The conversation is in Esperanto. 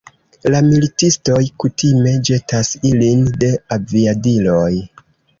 La militistoj kutime ĵetas ilin de aviadiloj.